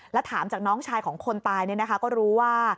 แล้วถามจากน้องชายของคนตายเนี่ยนะคะก็รู้ว่า